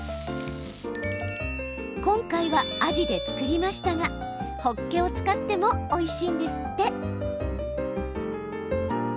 今回は、あじで作りましたがホッケを使ってもおいしいんですって。